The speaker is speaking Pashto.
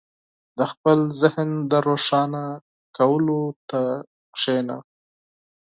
• د خپل ذهن د روښانه کولو ته کښېنه.